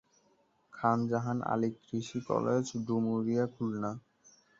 খান জাহান আলী কৃষি কলেজ, ডুমুরিয়া, খুলনা।